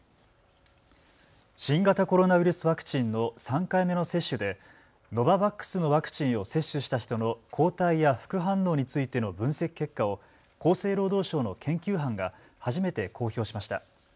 新型コロナウイルスワクチンの３回目の接種でノババックスのワクチンを接種した人の抗体や副反応についての分析結果を厚生労働省の研究班が初めて公表しました。